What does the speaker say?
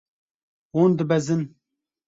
Hûn dibezin.